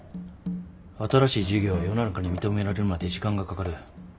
新しい事業は世の中に認められるまで時間がかかる。